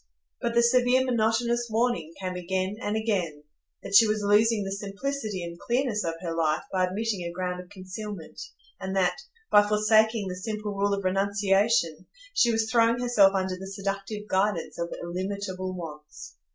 But the severe monotonous warning came again and again,—that she was losing the simplicity and clearness of her life by admitting a ground of concealment; and that, by forsaking the simple rule of renunciation, she was throwing herself under the seductive guidance of illimitable wants.